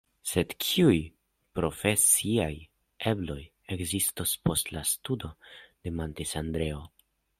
Sed kiuj profesiaj ebloj ekzistos post la studo, demandis Andreo.